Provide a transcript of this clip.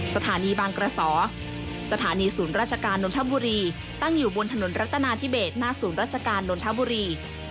สถานีบางกระสอสถานีศูนย์ราชการนนทบุรีตั้งอยู่บนถนนรัตนาธิเบสหน้าศูนย์ราชการนนทบุรี